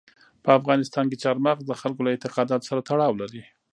په افغانستان کې چار مغز د خلکو له اعتقاداتو سره تړاو لري.